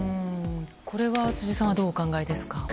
これは辻さんはどうお考えですか。